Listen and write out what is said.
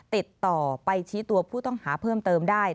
ติดต่อไปชี้ตัวผู้ต้องหาเพิ่มเติมได้